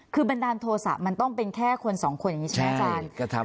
คือบันดาลโทษะมันต้องเป็นแค่คนสองคนอย่างนี้ใช่ไหมอาจารย์